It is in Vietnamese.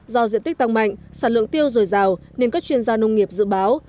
do diện tích tăng mạnh sản lượng tiêu dồi dào nên các chuyên gia nông nghiệp dự báo